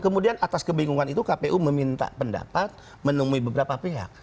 kemudian atas kebingungan itu kpu meminta pendapat menemui beberapa pihak